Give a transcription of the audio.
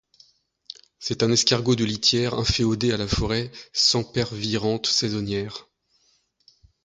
C'est un escargot de litière inféodé à la forêt sempervirente saisonnière.